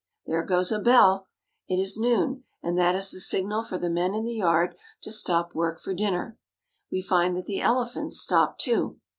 There goes a bell ! It is noon, and that is the signal for the men in the yard to stop work for dinner. We find that the elephants stop, too.